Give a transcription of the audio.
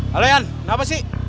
halo ian kenapa sih